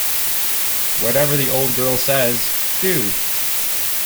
Whatever the old girl says, do.